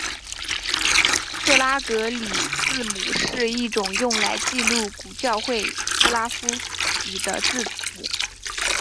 格拉哥里字母是第一种用来记录古教会斯拉夫语的字母。